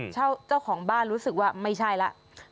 เจ้าของบ้านรู้สึกว่าไม่ใช่แล้ว